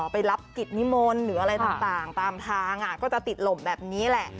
ไปรับกิจนิมนต์หรืออะไรต่างตามทางก็จะติดหล่มแบบนี้แหละ